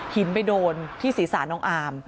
ไปโดนที่ศีรษะน้องอาม